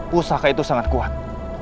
pusaka itu sangat kuat